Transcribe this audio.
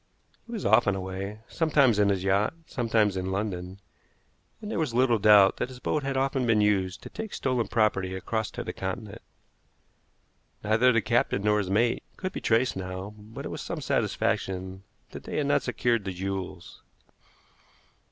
He was often away sometimes in his yacht, sometimes in London and there was little doubt that his boat had often been used to take stolen property across to the Continent. Neither the captain nor his mate could be traced now, but it was some satisfaction that they had not secured the jewels.